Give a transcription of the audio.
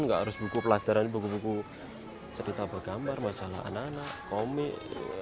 nggak harus buku pelajaran buku buku cerita bergambar masalah anak anak komik